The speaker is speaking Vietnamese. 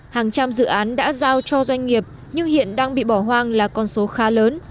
hàng trăm dự án đã giao cho doanh nghiệp nhưng hiện đang bị bỏ hoang là con số khá lớn